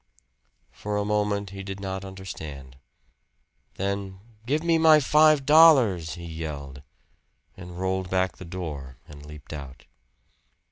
For a moment he did not understand. Then, "Give me my five dollars!" he yelled, and rolled back the door and leaped out.